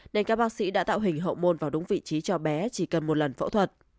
nên các bác sĩ đã tạo hình hậu môn vào đúng vị trí cho bé chỉ cần một lần phẫu thuật